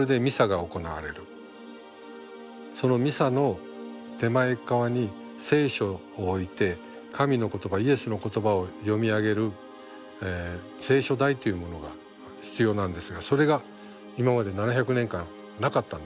そのミサの手前側に「聖書」を置いて神の言葉イエスの言葉を読み上げる聖書台というものが必要なんですがそれが今まで７００年間なかったんです。